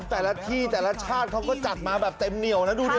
แต่ละที่แต่ละชาติเขาก็จัดมาแบบเต็มเหนียวนะดูดิ